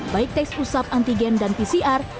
baik tes usap antigen dan pcr